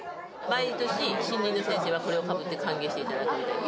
毎年、新任の先生はこれをかぶって歓迎していただくみたいです。